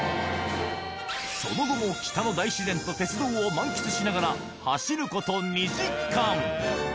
その後も北の大自然と鉄道を満喫しながら、走ること２時間。